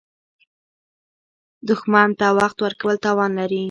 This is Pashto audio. دښمن ته وخت ورکول تاوان لري